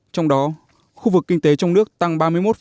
trong đó khu vực kinh tế trong nước tăng ba mươi một năm